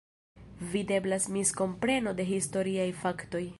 Videblas miskompreno de historiaj faktoj.